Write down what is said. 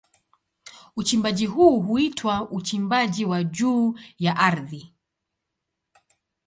Uchimbaji huu huitwa uchimbaji wa juu ya ardhi.